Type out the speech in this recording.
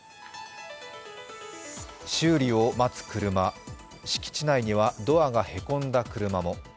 修理を待つ車、敷地内にはドアがへこんだ車も。